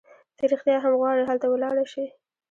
ته رېښتیا هم غواړي هلته ولاړه شې؟